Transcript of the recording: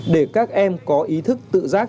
để các em có ý thức tự giác